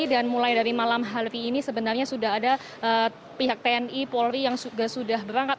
dan mulai dari malam hari ini sebenarnya sudah ada pihak tni polri yang sudah berangkat